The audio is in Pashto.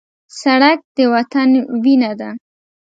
سړک د وطن وینه ده.